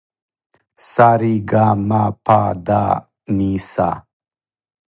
са ри га ма па да ни са